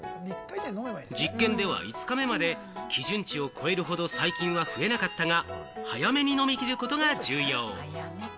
実験では５日目まで基準値を超えるほど最近は増えなかったが、早めに飲み切ることが重要。